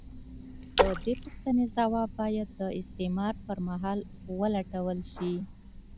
د دې پوښتنې ځواب باید د استعمار پر مهال ولټول شي.